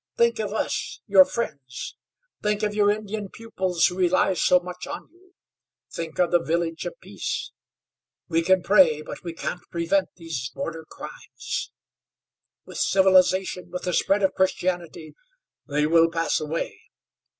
Think of us, your friends; think of your Indian pupils who rely so much on you. Think of the Village of Peace. We can pray, but we can't prevent these border crimes. With civilization, with the spread of Christianity, they will pass away.